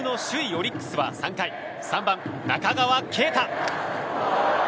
オリックスは３回、３番、中川圭太。